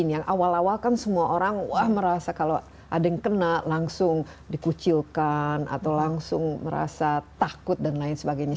yang awal awal kan semua orang wah merasa kalau ada yang kena langsung dikucilkan atau langsung merasa takut dan lain sebagainya